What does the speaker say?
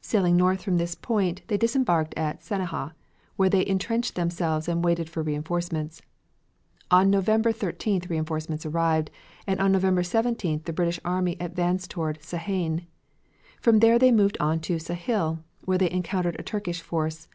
Sailing north from this point they disembarked at Sanijah, where they intrenched themselves and waited for reinforcements. On November 13th reinforcements arrived, and on November 17th the British army advanced toward Sahain. From there they moved on Sahil, where they encountered a Turkish force.